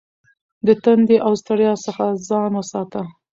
د تندې او ستړیا څخه ځان وساته.